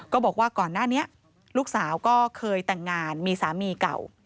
บอกว่าก่อนหน้านี้ลูกสาวก็เคยแต่งงานมีสามีเก่า